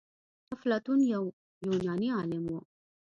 افلاطون يو يوناني عالم و.